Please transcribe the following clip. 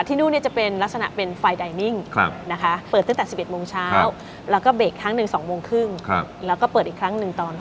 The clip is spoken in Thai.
๕โมงเย็นจนถึง๕ทุ่มเช่นกัน